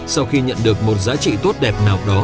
sau khi nhận được một giá trị tốt đẹp nào đó